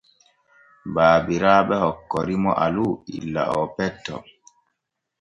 Baabiraaɓe hokkori mo Alu illa oo petto.